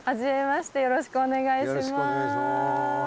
よろしくお願いします。